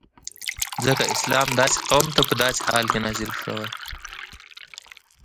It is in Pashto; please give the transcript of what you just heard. ځکه اسلام داسی قوم ته په داسی حال کی نازل سوی